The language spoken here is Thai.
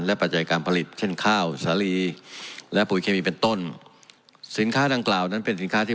ปัจจัยการผลิตเช่นข้าวสาลีและปุ๋ยเคมีเป็นต้นสินค้าดังกล่าวนั้นเป็นสินค้าที่